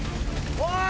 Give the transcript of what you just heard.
おい！